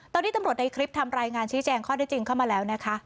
ตอนริโฆะโดนคลิปทำรายงานชี้แจงข้อที่จริงเข้ามาแล้วนะคะ